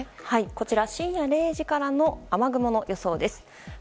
こちら、深夜０時からの雨雲の予想です。